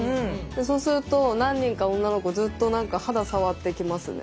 そうすると何人か女の子ずっと何か肌触ってきますね。